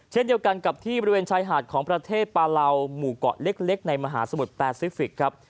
เช่นเดียวกันกับที่บริเวณชายหาดของประเทศปาเหลาหมู่เกาะเล็กในมหาสมุทรแปซิฟิกส์ครับ